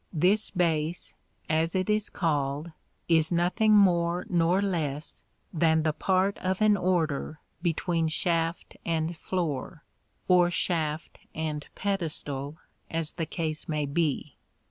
This base, as it is called, is nothing more nor less than the part of an order between shaft and floor, or shaft and pedestal, as the case may be.